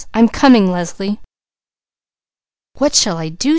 I'm coming, Leslie!" "What shall I do?"